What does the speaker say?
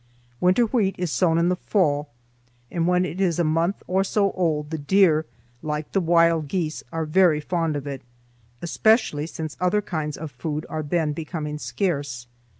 Winter wheat is sown in the fall, and when it is a month or so old the deer, like the wild geese, are very fond of it, especially since other kinds of food are then becoming scarce.